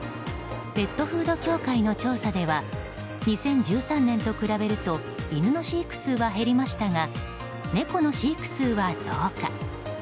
ペットフード協会の調査では２０１３年と比べると犬の飼育数は減りましたが猫の飼育数は増加。